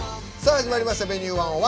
始まりました「Ｖｅｎｕｅ１０１」。